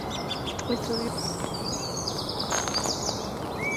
Estudió además teatro experimental en Barcelona.